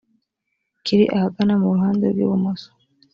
kiri ahagana mu ruhande rw ibumoso